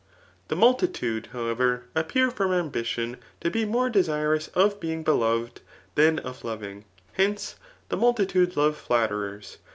The muldtude, howevert appear from ambition to be more desirous of being beloved than of kmng. Hcac^ the multitude love flatterers.